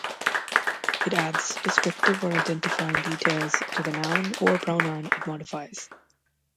It adds descriptive or identifying details to the noun or pronoun it modifies.